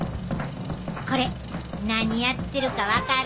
これ何やってるか分かる？